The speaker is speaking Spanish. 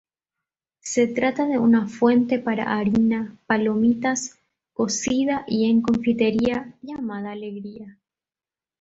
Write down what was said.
Se trata de una fuente para harina, palomitas, cocida y en confitería llamada alegría.